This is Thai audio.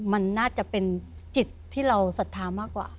มันน่าจะเป็นจิตที่เราศรัทธามากกว่า